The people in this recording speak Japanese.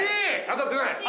当たってない。